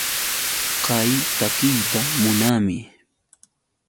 Kay takiyta munaami.